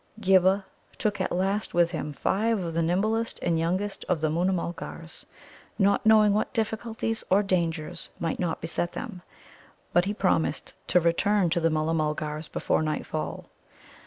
Ghibba took at last with him five of the nimblest and youngest of the Moona mulgars, not knowing what difficulties or dangers might not beset them. But he promised to return to the Mulla mulgars before nightfall.